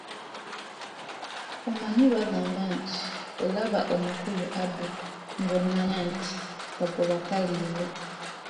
Omanyi bagamba nti, “Olaba omukulu adduka, ng’omanya nti kagoba kaliibwa.”